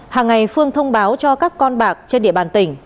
hàng ngày phương thông báo cho các con bạc trên địa bàn tỉnh